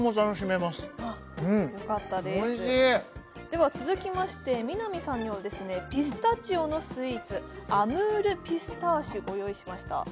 では続きまして南さんにはですねピスタチオのスイーツアムールピスターシュご用意しました